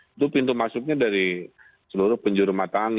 itu pintu masuknya dari seluruh penjuru matang